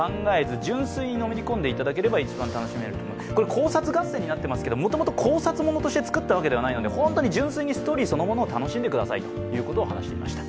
考察合戦になってますけど、もともと考察ものとして作ったわけではないので本当に純粋にストーリーそのものを楽しんでくださいと話していました。